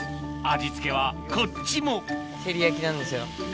味付けはこっちもテリヤキなんですよ